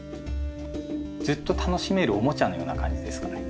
ずっと楽しめるおもちゃのような感じですかね。